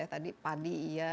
tadi padi iya